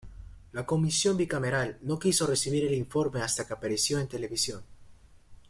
La Comisión Bicameral no quiso recibir el informe hasta que apareció en televisión.